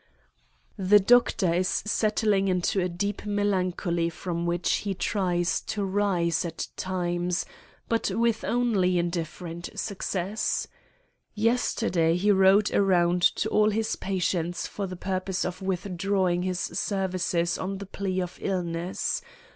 "The Doctor is settling into a deep melancholy from which he tries to rise at times, but with only indifferent success. Yesterday he rode around to all his patients for the purpose of withdrawing his services on the plea of illness.